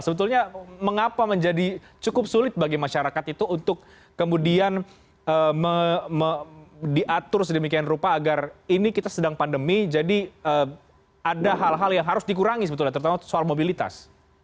sebetulnya mengapa menjadi cukup sulit bagi masyarakat itu untuk kemudian diatur sedemikian rupa agar ini kita sedang pandemi jadi ada hal hal yang harus dikurangi sebetulnya terutama soal mobilitas